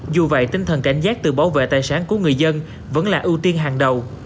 dù vậy tinh thần cảnh giác tự bảo vệ tài sản của người dân vẫn là ưu tiên hàng đầu